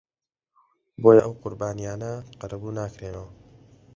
بۆیە ئەو قوربانییانە قەرەبوو ناکرێنەوە